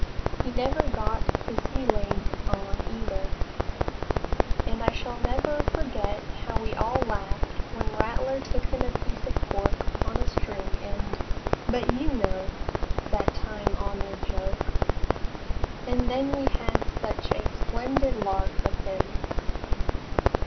He never got his sea legs on, either. And I never shall forget how we all laughed when Rattler took him the piece of pork on a string, and But you know that time honored joke. And then we had such a splendid lark with him.